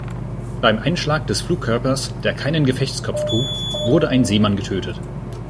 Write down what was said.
Beim Einschlag des Flugkörpers, der keinen Gefechtskopf trug, wurde ein Seemann getötet.